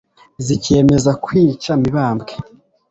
zikemeza kwica mibambwe